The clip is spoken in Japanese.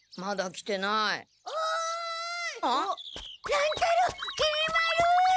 乱太郎きり丸！